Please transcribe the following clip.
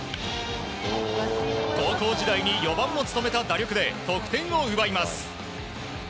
高校時代に４番も務めた打力で得点を奪います。